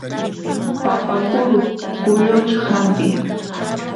Papa kuru qulluchiq hampi.